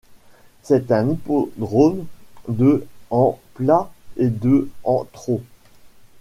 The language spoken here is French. C'est un hippodrome de en plat et de en trot.